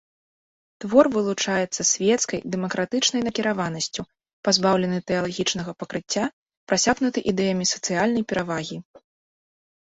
Твор вылучаецца свецкай, дэмакратычнай накіраванасцю, пазбаўлены тэалагічнага пакрыцця, прасякнуты ідэямі сацыяльнай перавагі.